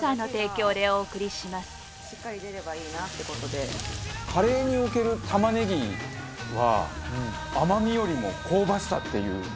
バカリズム：カレーにおける玉ねぎは甘みよりも香ばしさっていう。